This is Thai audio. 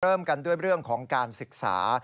เริ่มกันด้วยเรื่องของการศึกษา